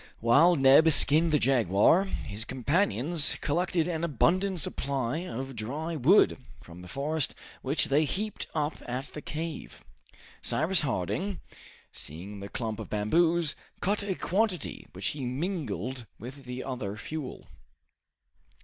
While Neb skinned the jaguar, his companions collected an abundant supply of dry wood from the forest, which they heaped up at the cave. Cyrus Harding, seeing the clump of bamboos, cut a quantity, which he mingled with the other fuel.